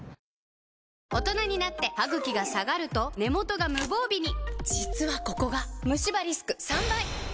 大人になってハグキが下がると根元が無防備に実はここがムシ歯リスク３倍！